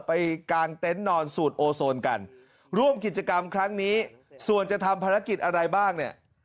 กลางเต็นต์นอนสูตรโอโซนกันร่วมกิจกรรมครั้งนี้ส่วนจะทำภารกิจอะไรบ้างเนี่ย